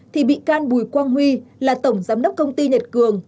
thì bị can bùi quang huy là tổng giám đốc công ty nhật cường